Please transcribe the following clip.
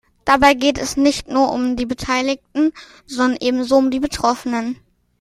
Dabei geht es nicht nur um die Beteiligten, sondern ebenso um die Betroffenen.